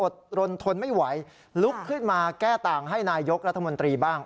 รนทนไม่ไหวลุกขึ้นมาแก้ต่างให้นายกรัฐมนตรีบ้าง